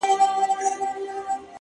زه مي پر خپلي بې وسۍ باندي تکيه کومه؛